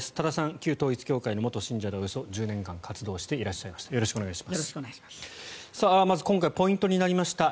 旧統一教会の元信者でおよそ１０年間活動をしていらっしゃいました。